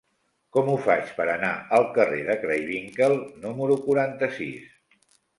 Com ho faig per anar al carrer de Craywinckel número quaranta-sis?